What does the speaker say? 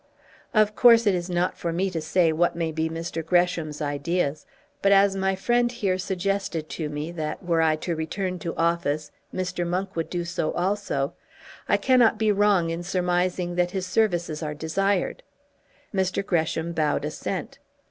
"Of course it is not for me to say what may be Mr. Gresham's ideas; but as my friend here suggested to me that, were I to return to office, Mr. Monk would do so also, I cannot be wrong in surmising that his services are desired." Mr. Gresham bowed assent.